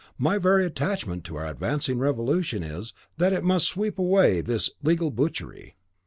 My very attachment to our advancing revolution is, that it must sweep away this legal butchery."